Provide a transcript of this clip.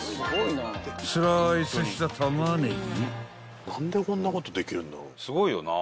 ［スライスしたタマネギ］